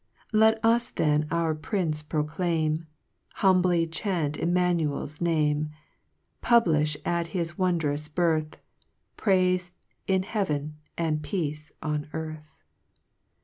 6 Let us then our Prince proclaim, Humbly chaunt Immanuei's Name, Puhlifli at his wondrous birth, Praife in heaven, and Peace on earth.